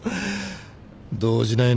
動じないね。